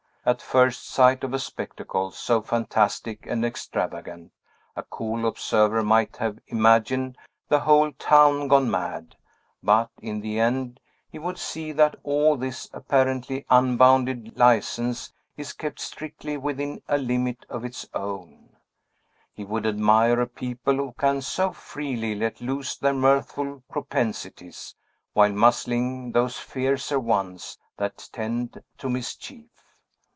At first sight of a spectacle so fantastic and extravagant, a cool observer might have imagined the whole town gone mad; but, in the end, he would see that all this apparently unbounded license is kept strictly within a limit of its own; he would admire a people who can so freely let loose their mirthful propensities, while muzzling those fiercer ones that tend to mischief.